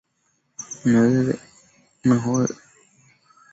nahodha alikuwa na nafasi ya kuokoa asilimia tisini ya abiria